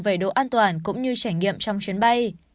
về độ an toàn cũng như trải nghiệm trong chuyến bay